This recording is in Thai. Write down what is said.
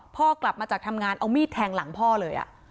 พ่อกลับมาจากทำงานเอามีดแทงหลังพ่อเลย